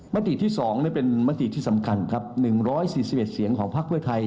มติที่๒เป็นมติที่สำคัญครับ๑๔๑เสียงของพักเพื่อไทย